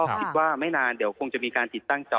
คิดว่าไม่นานเดี๋ยวคงจะมีการติดตั้งจอ